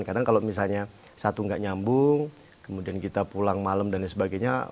kadang kalau misalnya satu nggak nyambung kemudian kita pulang malam dan sebagainya